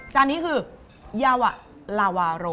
จานนี้คือยาวะลาวาโร